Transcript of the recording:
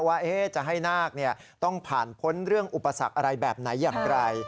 ว่าจะให้นาคต้องผ่านพ้นเรื่องอุปสรรคอะไรแบบไหนอย่างไร